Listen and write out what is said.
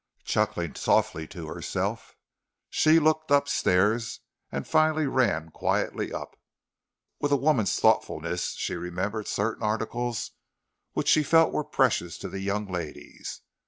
Chuckling softly to herself, she looked up stairs and finally ran quietly up. With a woman's thoughtfulness she remembered certain articles which she felt were precious to the young ladies.